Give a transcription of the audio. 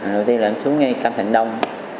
đầu tiên là em xuống ngay cam thịnh đông